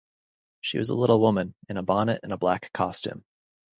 She was a little woman, in a bonnet and a black costume.